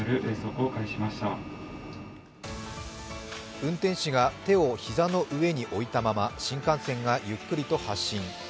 運転士が手を膝の上に置いたまま新幹線がゆっくりと発進。